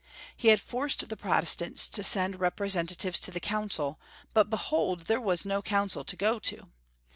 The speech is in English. He had forced the Protestants to send repre sentatives to the Council, but behold, there was no Council to go to.